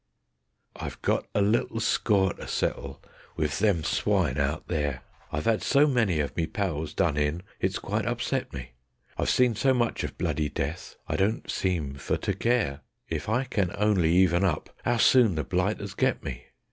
I've got a little score to settle wiv them swine out there. I've 'ad so many of me pals done in it's quite upset me. I've seen so much of bloody death I don't seem for to care, If I can only even up, how soon the blighters get me.